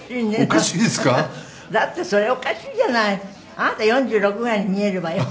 あなた４６ぐらいに見えるわよ。